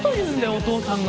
お父さんが。